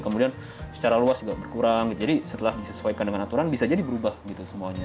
kemudian secara luas juga berkurang jadi setelah disesuaikan dengan aturan bisa jadi berubah gitu semuanya